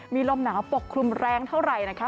มีลมหนาวปกคลุมแรงเท่าไหร่นะคะ